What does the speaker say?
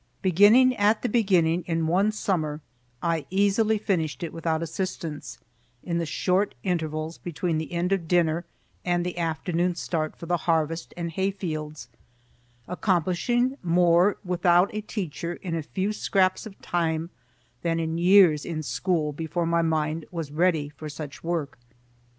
Beginning at the beginning, in one summer I easily finished it without assistance, in the short intervals between the end of dinner and the afternoon start for the harvest and hay fields, accomplishing more without a teacher in a few scraps of time than in years in school before my mind was ready for such work.